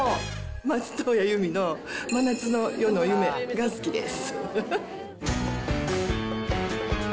松任谷由実の真夏の夜の夢が好きです。